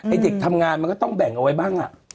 เด็กทำงานมันก็ต้องแบ่งเอาไว้บ้าง